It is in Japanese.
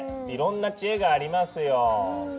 いろんな知恵がありますよ。